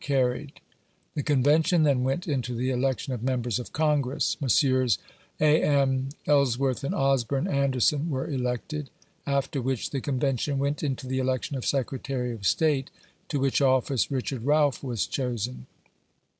Carried. The Convention then went into the election of members of Congress. Messrs. A. M. Ellsworth and Osborn Anderson were elected. After which, the Convention went into the election of Secretary of State, to which office Richard Realf was chosen.